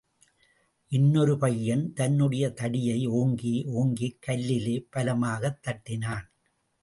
இன்னொரு பையன் தன்னுடைய தடியை ஓங்கி, ஓங்கிக் கல்லிலே பலமாகத் தட்டினான்.